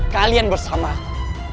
kalian bersama aku